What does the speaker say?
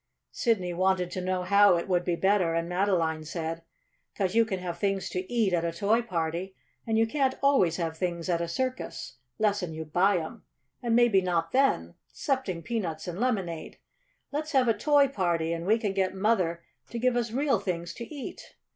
Sidney wanted to know how it would be better, and Madeline said: "'Cause you can have things to eat at a Toy Party, and you can't always have things at a circus, lessen you buy 'em; and maybe not then, 'cepting peanuts and lemonade. Let's have a Toy Party and we can get mother to give us real things to eat."